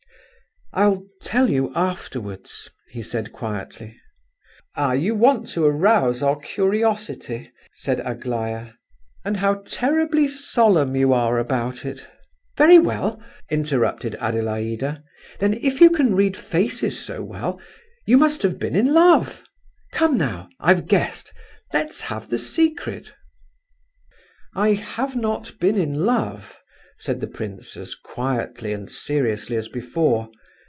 "I'll tell you afterwards," he said quietly. "Ah, you want to arouse our curiosity!" said Aglaya. "And how terribly solemn you are about it!" "Very well," interrupted Adelaida, "then if you can read faces so well, you must have been in love. Come now; I've guessed—let's have the secret!" "I have not been in love," said the prince, as quietly and seriously as before.